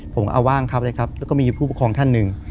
ผมเอาว่างทับเลยครับแล้วก็มีผู้ปกครองท่านหนึ่ง